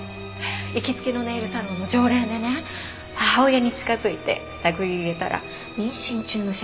行きつけのネイルサロンの常連でね母親に近づいて探り入れたら妊娠中の写真が１枚もないの。